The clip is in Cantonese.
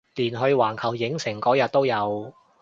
連去環球影城嗰日都有